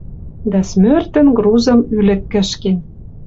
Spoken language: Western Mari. Дӓ смӧртӹн грузым ӱлӹк кӹшкен.